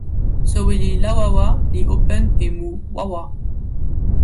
soweli Lawawa li open e mu wawa.